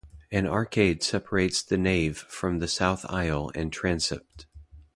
An arcade separates the nave from the south aisle and transept.